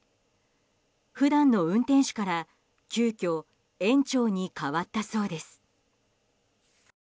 普段の運転手から急きょ園長に代わったそうです。